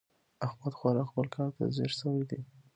احمد خورا خپل کار ته ځيږ شوی دی.